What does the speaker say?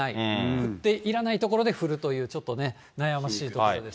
降っていらない所で降るというちょっとね、悩ましいところです。